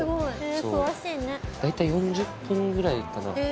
そう大体４０分ぐらいかな。